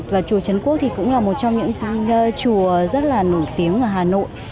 và chùa trấn quốc thì cũng là một trong những chùa rất là nổi tiếng ở hà nội